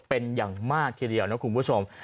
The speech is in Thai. เป็นอย่างมากทีเดียวนะคุณผู้ชม